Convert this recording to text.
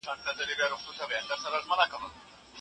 تاسو به له خپل ژوند څخه د بریا نوي کیسې جوړوئ.